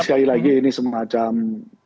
sekali lagi ini semacam